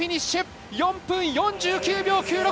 ４分４９秒９６！